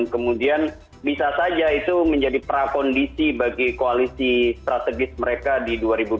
kemudian bisa saja itu menjadi prakondisi bagi koalisi strategis mereka di dua ribu dua puluh